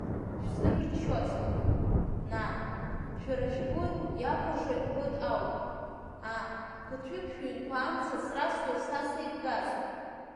Шәзырччозеи, нан, шәара шәгәы иахәаша жәбоит ауп, аа, ԥыҭҩык шәҩнқәа амца ацрасҵоит са сеибгазар.